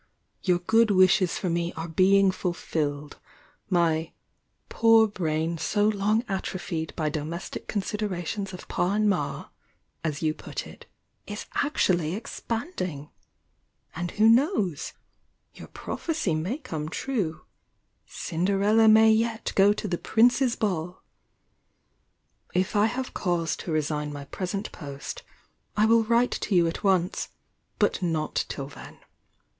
Your good wishes for me are being fulfilled; my 'poor brain so long atro phied by domestic considerations of Pa and Ma,' as you put it, is actually expanding! — and who knows? — ^your prophecy may come true — Cinderella may yet go to the Prince's Ball! If I have cause to resign my present post, I will write to you at once; but not till then.